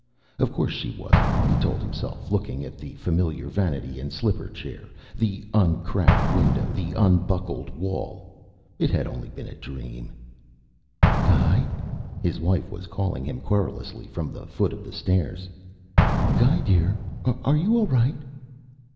Of course she wasn't, he told himself, looking at the familiar vanity and slipper chair, the uncracked window, the unbuckled wall. It had only been a dream. "Guy?" His wife was calling him querulously from the foot of the stairs. "Guy, dear, are you all right?"